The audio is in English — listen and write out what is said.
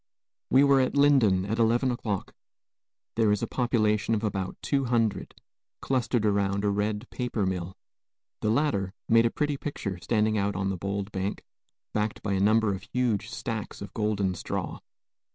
We were at Lyndon at eleven o'clock. There is a population of about two hundred, clustered around a red paper mill. The latter made a pretty picture standing out on the bold bank, backed by a number of huge stacks of golden straw.